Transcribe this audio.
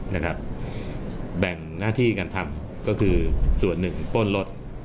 นะครับแบ่งหน้าที่การทำก็คือส่วนหนึ่งโป้นรถ